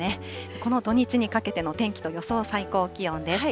この土日にかけての天気と予想最高気温です。